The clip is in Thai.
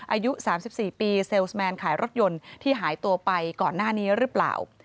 อายุ๓๔ปีเซลล์แมนขายรถยนต์ที่หายตัวไปก่อนหน้านี้หรือเปล่า